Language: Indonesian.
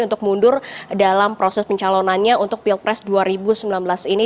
untuk mundur dalam proses pencalonannya untuk pilpres dua ribu sembilan belas ini